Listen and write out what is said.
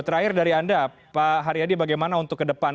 terakhir dari anda pak haryadi bagaimana untuk ke depan